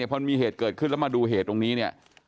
พอมีเหตุเกิดขึ้นแล้วมาดูเหตุตรงนี้เนี่ย